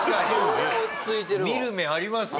見る目ありますね。